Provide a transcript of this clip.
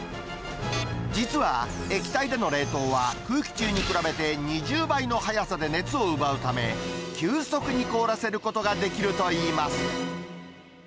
実は液体での冷凍は、空気中に比べて２０倍の速さで熱を奪うため、急速に凍らせることができるといいます。